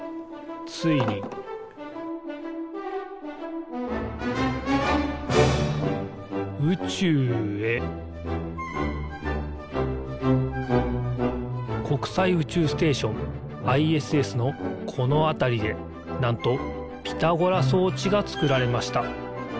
ついに宇宙へ国際宇宙ステーションＩＳＳのこのあたりでなんとピタゴラそうちがつくられました。